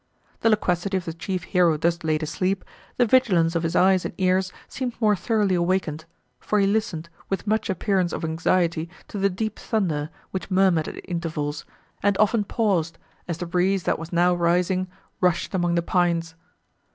The loquacity of the chief hero thus laid asleep, the vigilance of his eyes and ears seemed more thoroughly awakened, for he listened, with much appearance of anxiety, to the deep thunder, which murmured at intervals, and often paused, as the breeze, that was now rising, rushed among the pines.